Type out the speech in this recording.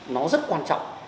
nó rất quan trọng